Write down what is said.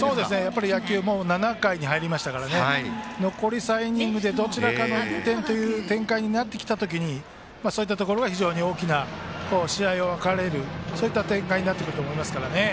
やっぱりもう７回に入りましたから残り３イニングでどちらか１点という展開になった時そういったところが非常に大きな試合の分かれる展開になると思いますからね。